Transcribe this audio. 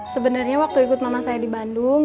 sebenarnya waktu ikut mama saya di bandung